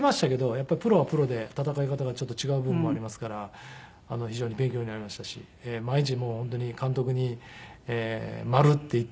やっぱりプロはプロで戦い方がちょっと違う部分もありますから非常に勉強になりましたし毎日本当に監督に丸って言ってもらう。